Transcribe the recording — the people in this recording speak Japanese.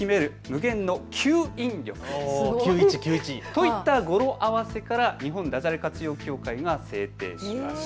といった語呂合わせから日本だじゃれ活用協会が制定しました。